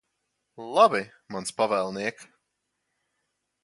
Labi, mans pavēlniek.